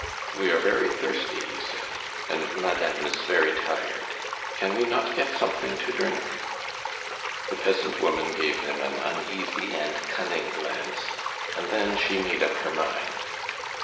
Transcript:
"We are very thirsty," he said, "and madame is very tired. Can we not get something to drink?" The peasant woman gave them an uneasy and cunning glance and then she made up her mind.